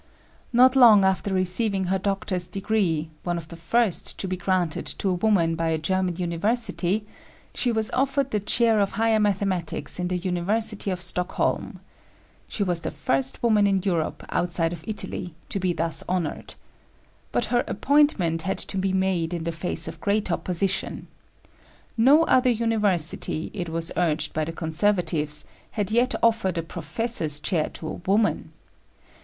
Not long after receiving her doctor's degree one of the first to be granted to a woman by a German university she was offered the chair of higher mathematics in the University of Stockholm. She was the first woman in Europe, outside of Italy, to be thus honored. But her appointment had to be made in the face of great opposition. No other university, it was urged by the conservatives, had yet offered a professor's chair to a woman.